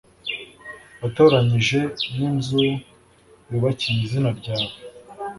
watoranyije n'inzu nubakiye izina ryawe